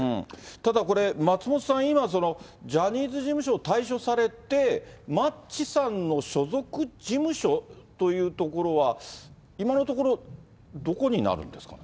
ただこれ、松本さん、今、ジャニーズ事務所を退所されて、マッチさんの所属事務所というところは、今のところ、どこになるんですか？